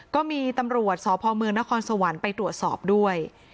ก็มีตำรวจสพเมืองนครสวรรค์ไปตรวจสอบด้วย